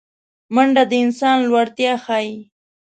منډه د انسان لوړتیا ښيي